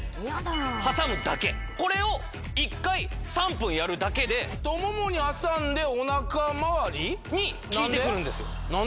ヤダ挟むだけこれを１回３分やるだけで太ももに挟んでおなかまわり？に効いてくるんですよ